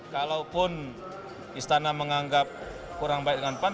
kalaupun istana menganggap kurang baik dengan pan